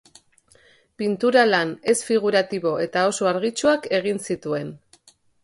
Pintura-lan ez-figuratibo eta oso argitsuak egin zituen.